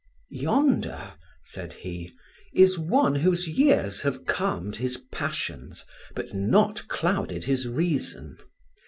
"Yonder," said he, "is one whose years have calmed his passions, but not clouded his reason.